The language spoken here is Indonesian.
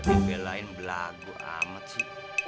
dibelain belagu amat sih